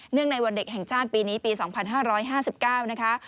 ในวันเด็กแห่งชาติปีนี้ปี๒๕๕๙นะคะ